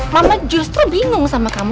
mama justru bingung sama kamu